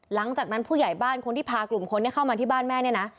หลังจากนั้นผู้ใหญ่บ้านคนที่พากลุ่มคนนี้เข้ามาที่บ้านแม่เนี่ยนะ